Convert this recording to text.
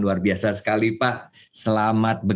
terima kasih mas troy